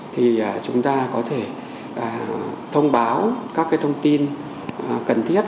thì chúng ta có thể thông báo các thông tin cần thiết